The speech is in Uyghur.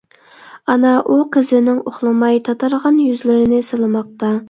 ئانا ئۇ قىزىنىڭ ئۇخلىماي تاتارغان يۈزلىرىنى سىلىماقتا.